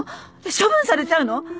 処分されちゃうの？